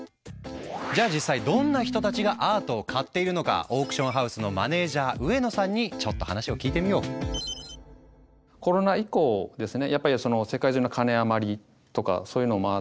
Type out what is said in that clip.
じゃあ実際どんな人たちがアートを買っているのかオークションハウスのマネージャー上野さんにちょっと話を聞いてみよう。っていう風も感じますね。